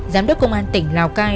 giám đốc công an tỉnh lào cai